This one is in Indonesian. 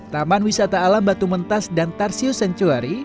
taman wisata alam batu mentas dan tarsius sanctuary